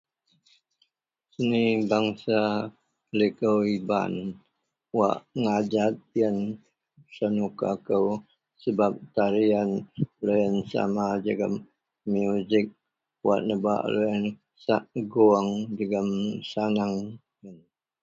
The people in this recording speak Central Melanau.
seni bangsa liko iban wak ngajat ien senuka kou sebab tarian loyien sama jegum musik wak nebak loyien sak gong jegum sanen